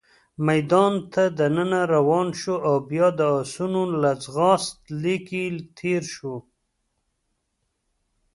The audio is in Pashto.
میدان ته دننه روان شوو، او بیا د اسونو له ځغاست لیکې تېر شوو.